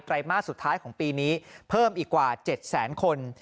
มาสสุดท้ายของปีนี้เพิ่มอีกกว่า๗แสนคน